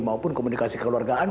maupun komunikasi keluargaan